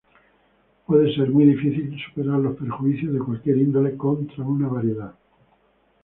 Puede ser muy difícil superar los perjuicios, de cualquier índole, contra una variedad.